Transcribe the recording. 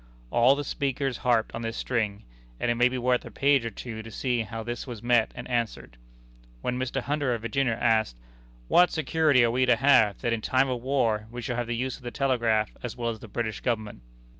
All the speakers harped on this string; and it may be worth a page or two to see how this was met and answered. When Mr. Hunter, of Virginia, asked, "What security are we to have that in time of war we shall have the use of the telegraph as well as the British Government?"